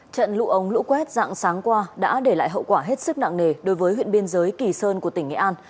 trận lũ ống lũ quét dạng sáng qua đã để lại hậu quả hết sức nặng nề đối với huyện biên giới kỳ sơn của tỉnh nghệ an